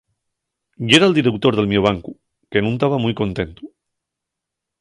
Yera'l direutor del mio bancu, que nun taba mui contentu.